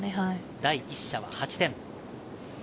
第１射は８点。